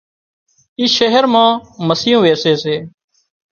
اي شهر مان مسيون ويسي سي